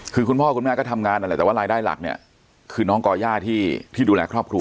คือคุณพ่อคุณแม่ก็ทำงานนั่นแหละแต่ว่ารายได้หลักเนี่ยคือน้องก่อย่าที่ดูแลครอบครัว